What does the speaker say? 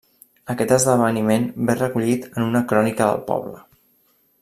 Aquest esdeveniment ve recollit en una crònica del poble.